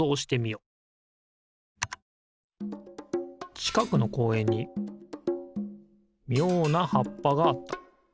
ちかくのこうえんにみょうなはっぱがあった。